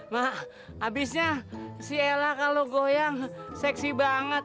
mak abisnya si ella kalau goyang seksi banget